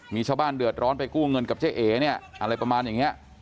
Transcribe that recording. มีชาวบ้านเดือดร้อนไปกู้เงินกับเจ๊เอ๋เนี่ยอะไรประมาณอย่างนี้